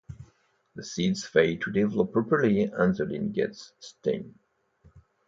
The seeds fail to develop properly and the lint gets stained.